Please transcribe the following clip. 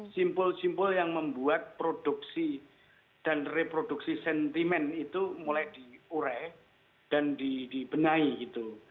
simpul simpul yang membuat produksi dan reproduksi sentimen itu mulai diurai dan dibenahi gitu